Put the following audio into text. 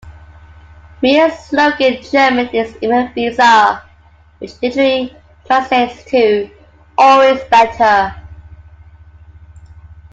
Miele's slogan in German is "immer besser" which literally translates to "always better".